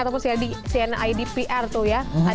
ataupun cnn id pr tuh ya